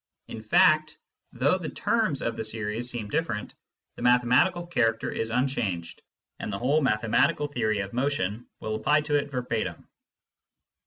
In fact, though the terms of the series seem different, the mathematical char acter of the series is unchanged, and the whole mathe matical theory of motion will apply to it verbatim.